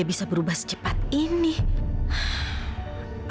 kita udah lebih dari arms